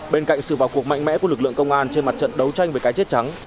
bên cạnh sự vào cuộc mạnh mẽ của lực lượng công an trên mặt trận đấu tranh với cái chết trắng